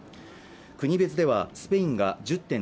国別ではスペインが１０．０％